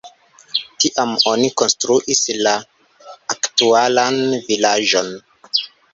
Tiam oni konstruis la aktualan vilaĝon.